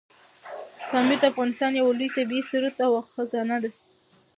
پامیر د افغانستان یو لوی طبعي ثروت او خزانه ده.